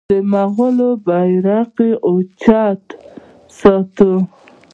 د مغولو بیرغ اوچت وساتي.